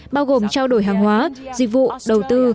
bao gồm trao đổi hàng hóa dịch vụ đầu tư